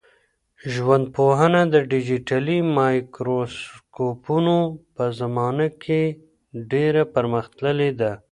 ژوندپوهنه د ډیجیټلي مایکروسکوپونو په زمانه کي ډېره پرمختللې ده.